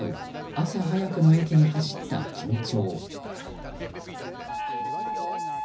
朝早くの駅に走った緊張。